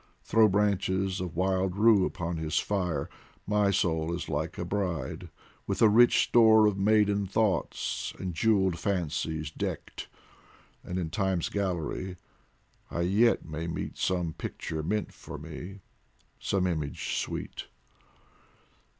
Throw branches of wild rue upon his fire. My soul is like a bride, with a rich store Of maiden thoughts and jewelled fancies decked, And in Time's gallery I yet may meet Some picture meant for me, some image sweet.